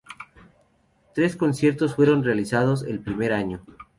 Tres conciertos fueron realizados el primer año.